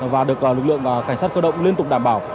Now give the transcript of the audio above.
và được lực lượng cảnh sát cơ động liên tục đảm bảo